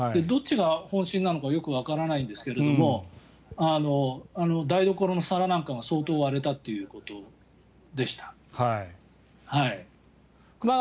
どっちが本震なのかよくわからないんですが台所の皿なんかが相当割れたということでした。